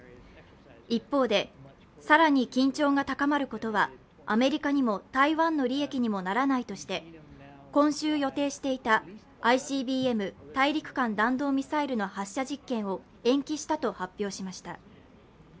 一方で、更に緊張が高まることはアメリカにも台湾の利益にもならないとして今週予定していたＩＣＢＭ＝大陸間弾道ミサイルの発射実験を延期したと発表しました。